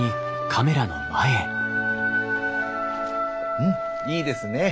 うんいいですね。